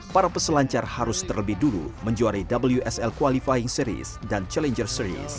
para peselancar harus terlebih dulu menjuari wsl qualifying series dan challenger series